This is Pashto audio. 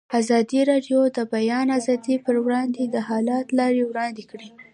ازادي راډیو د د بیان آزادي پر وړاندې د حل لارې وړاندې کړي.